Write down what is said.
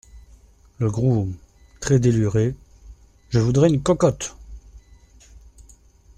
Le Groom , très déluré. — Je voudrais une cocotte…